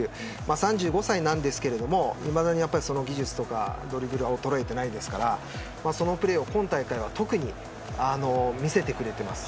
３５歳なんですがいまだにその技術やドリブルは衰えていませんからそのプレーを今大会は特に見せてくれてます。